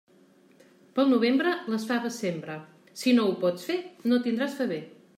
Pel novembre, les faves sembra; si no ho pots fer, no tindràs faver.